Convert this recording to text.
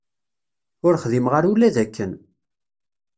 Ur xdimeɣ ara ula d akken.